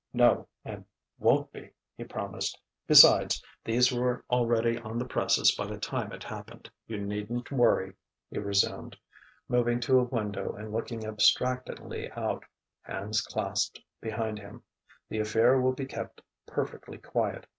"No, and won't be," he promised. "Besides, these were already on the presses by the time it happened.... You needn't worry," he resumed, moving to a window and looking abstractedly out, hands clasped behind him; "the affair will be kept perfectly quiet.